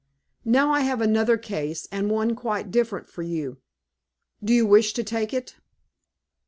Now, I have another case and one quite different for you. Do you wish to take it?"